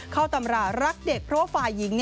ตำรารักเด็กเพราะว่าฝ่ายหญิง